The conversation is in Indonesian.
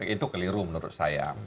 itu keliru menurut saya